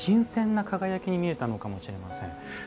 新鮮な輝きに見えたのかもしれません。